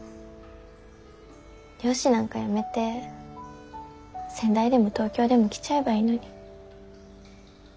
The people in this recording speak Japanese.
漁師なんかやめて仙台でも東京でも来ちゃえばいいのに。